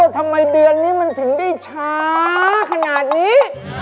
ทำไมเดือนนี้มันถึงได้ช้าขนาดนี้